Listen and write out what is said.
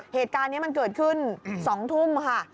เหตุการณ์นี้มันเกิดขึ้น๒ทุ่มค่ะ